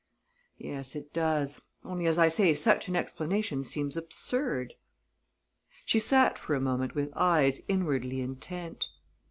"Yes, it does; only, as I say, such an explanation seems absurd." She sat for a moment with eyes inwardly intent.